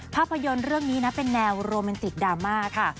ภาพยนตร์เรื่องนี้นะเป็นแนวโรแมนติกดราม่าค่ะ